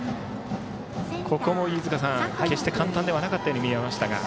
ここも決して簡単ではなかったように見えましたが。